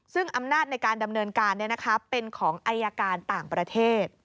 ซึ่งอำนาจในการดำเนินการเป็นของอายการต่างประเทศ